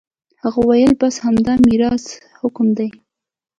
هغه وويل بس همدا د ميراث حکم دى.